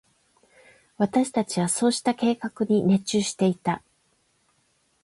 私達はそうした計画に熱中していた。